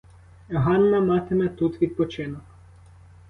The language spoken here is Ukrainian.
Ганна матиме тут відпочинок.